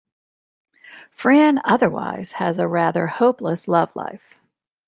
Fran otherwise has a rather hopeless love life.